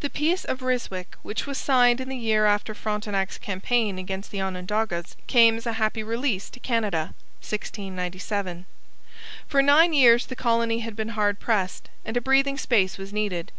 The Peace of Ryswick, which was signed in the year after Frontenac's campaign against the Onondagas, came as a happy release to Canada (1697). For nine years the colony had been hard pressed, and a breathing space was needed.